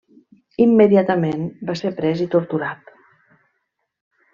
Immediatament va ser pres i torturat.